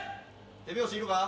手拍子いるか？